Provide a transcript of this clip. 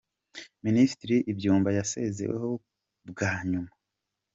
Minisitiri Inyumba yasezeweho bwa nyuma